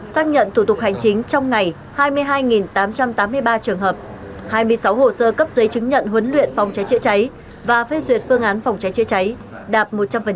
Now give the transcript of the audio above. một xác nhận thủ tục hành chính trong ngày hai mươi hai tám trăm tám mươi ba trường hợp hai mươi sáu hồ sơ cấp giấy chứng nhận huấn luyện phòng cháy chữa cháy và phê duyệt phương án phòng cháy chữa cháy đạt một trăm linh